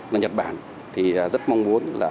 nhật bản thì rất mong muốn